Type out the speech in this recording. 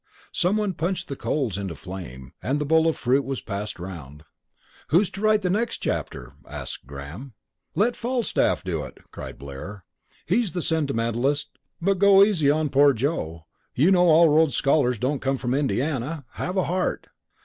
Someone punched the coals into flame, and the bowl of fruit was passed round. "Who's to write the next chapter?" asked Graham. "Let Falstaff do it!" cried Blair. "He's the sentimentalist! But go easy on poor Joe. You know all Rhodes Scholars don't come from Indiana! Have a heart!"